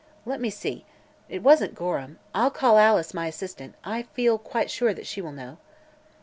"Let me see. It wasn't Gorham. I'll call Alice, my assistant; I feel quite sure that she will know."